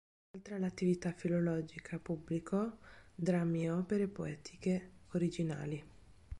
Oltre all'attività filologica, pubblicò drammi e opere poetiche originali.